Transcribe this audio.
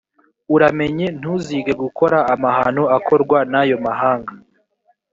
uramenye ntuzige gukora amahano akorwa n’ayo mahanga.